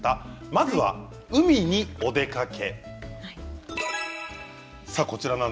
まずは海にお出かけ。